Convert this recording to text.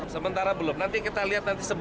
sementara belum nanti kita lihat nanti